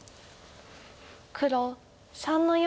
黒３の四。